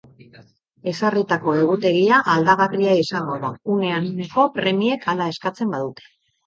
Ezarritako egutegia aldagarria izango da, unean uneko premiek hala eskatzen badute.